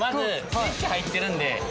スイッチ入ってるんで。